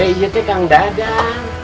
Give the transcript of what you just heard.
iya kang dadang